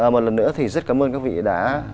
một lần nữa thì rất cảm ơn các vị đã